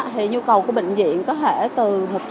thì nhu cầu của bệnh viện có thể từ